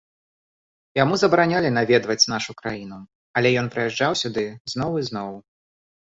Яму забаранялі наведваць нашу краіну, але ён прыязджаў сюды зноў і зноў.